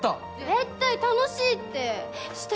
絶対楽しいって。